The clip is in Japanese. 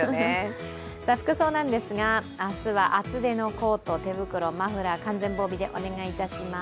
服装ですが、明日は厚手のコート手袋、マフラー完全防備でお願いいたします。